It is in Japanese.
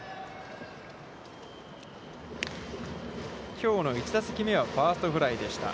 きょうの１打席目はファーストフライでした。